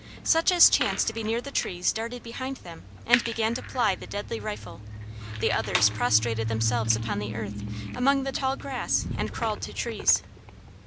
Such as chanced to be near the trees darted behind them, and began to ply the deadly rifle; the others prostrated themselves upon the earth, among the tall grass, and crawled to trees.